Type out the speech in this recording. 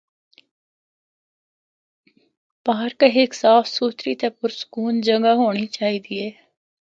پارک ہک صاف ستھری تے پرسکون جگہ ہونڑی چاہیے دی اے۔